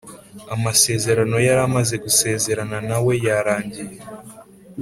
amasezerano yaramaze gusezerana nawe yarangiye